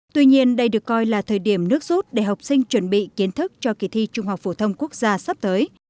tuy nhiên đây được coi là thời điểm nước rút để học sinh chuẩn bị kiến thức cho kỳ thi trung học phổ thông quốc gia sắp tới